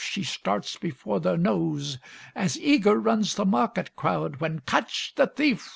she starts before their nose; As eager runs the market crowd, When "Catch the thief!"